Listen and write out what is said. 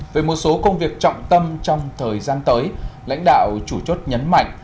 về một số công việc trọng tâm trong thời gian tới lãnh đạo chủ chốt nhấn mạnh